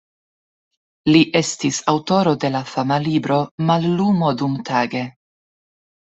Li estis aŭtoro de la fama libro "Mallumo dumtage".